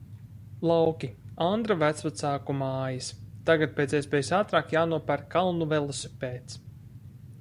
Lauki, Andra vecvecāku mājas. Tagad pēc iespējas ātrāk jānopērk kalnu velosipēds.